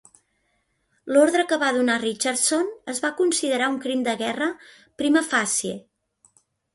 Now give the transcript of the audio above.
L"ordre que va donar Richardson es va considerar un crim de guerra "prima facie".